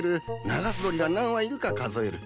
ナガス鳥が何羽いるか数える。